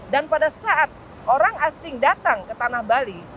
dan pada saat orang asing datang ke tanah bali